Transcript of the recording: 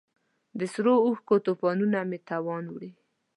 د سرو اوښکو توپانونو مې توان وړی